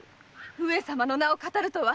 上様の名を騙るとは。